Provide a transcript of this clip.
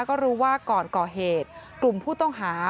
ก็รู้ว่าก่อนก่อเหตุกลุ่มผู้ต้องหา